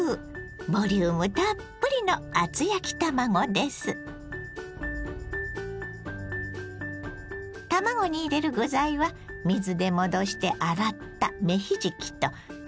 ボリュームたっぷりの卵に入れる具材は水で戻して洗った芽ひじきと鶏ひき肉。